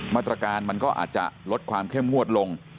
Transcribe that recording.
มาตรการมันก็อาจจะลดความเข้มงวดลง